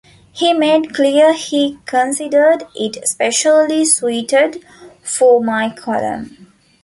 He made clear he considered it especially suited for my column.